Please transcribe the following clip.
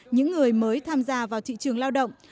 những người mới tham gia vào thị trường lao động